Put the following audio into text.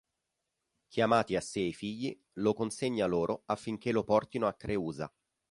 Chiamati a sé i figli, lo consegna loro affinché lo portino a Creusa.